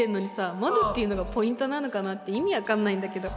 「窓っていうのがポイントなのかな」って意味分かんないんだけど。